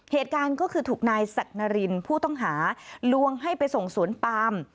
เหตุการณ์ก็คือถูกนายสักนารินผู้ต้องหาลวงให้ไปส่งสวนปาม